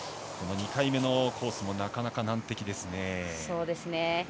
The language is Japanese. ２回目のコースもなかなか難敵ですね。